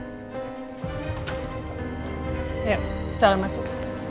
yuk silahkan masuk